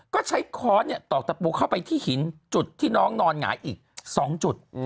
ก็ใช้ค้อนตอกตะปูเข้าไปที่หินจุดที่น้องนอนหงายอีก๒จุด